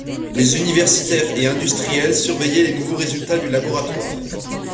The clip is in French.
les universitaires et industriels surveillaient les nouveaux résultats du laboratoire.